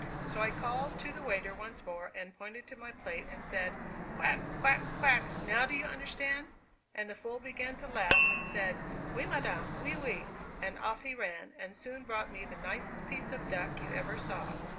So I called to the waiter once more, and pointed to my plate and said, 'quack, quack, quack, now do you understand?' and the fool began to laugh, and said, 'Oui, madame, oui, oui,' and off he ran, and soon brought me the nicest piece of duck you ever saw.